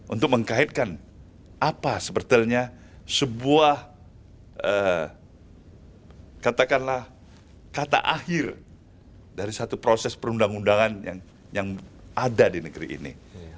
untuk mengkaitkan apa sebetulnya sebuah katakanlah kata akhir dari satu proses perundang undangan yang ada di negeri ini